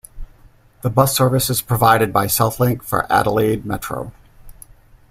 The bus service is provided by SouthLink for Adelaide Metro.